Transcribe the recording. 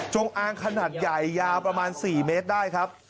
อางขนาดใหญ่ยาวประมาณ๔เมตรได้ครับ